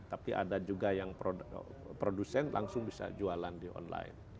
tapi ada juga yang produsen langsung bisa jualan di online